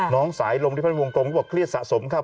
น้องสายลมดิบวงกรมก็บอกเครียดสะสมครับ